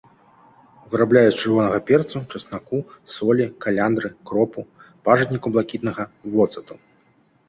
Вырабляюць з чырвонага перцу, часнаку, солі, каляндры, кропу, пажытніку блакітнага, воцату.